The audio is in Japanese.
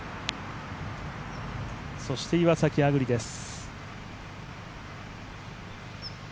そして岩崎亜久竜です。